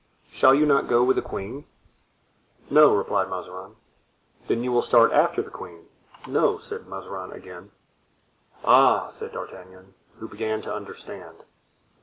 "Shall you not go with the queen?" "No," replied Mazarin. "Then you will start after the queen?" "No," said Mazarin again. "Ah!" said D'Artagnan, who began to understand.